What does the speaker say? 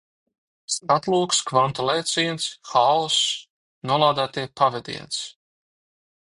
Skatlogs, kvantu lēciens, haoss, nolādētie, pavediens.